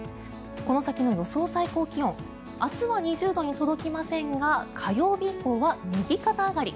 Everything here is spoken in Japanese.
この先の予想最高気温明日は２０度に届きませんが火曜日以降は右肩上がり。